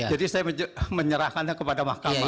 jadi saya menyerahkannya kepada mahkamah